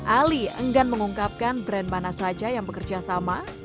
ali enggan mengungkapkan brand mana saja yang bekerja sama